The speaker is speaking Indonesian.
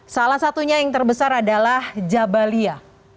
salah satunya yang terbesar adalah jabalia